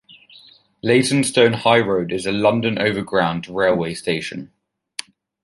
Leytonstone High Road is a London Overground railway station.